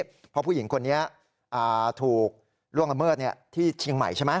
เพราะผู้หญิงคนนี้ถูกล่วงละเมิดที่เชียงใหม่ใช่ไหม